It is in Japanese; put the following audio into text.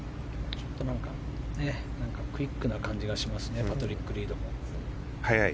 クイックな感じがしますねパトリック・リードも。